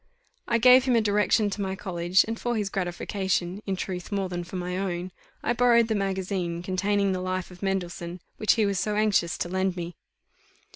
I gave him a direction to my college, and for his gratification, in truth, more than for my own, I borrowed the magazine containing the life of Mendelssohn, which he was so anxious to lend me.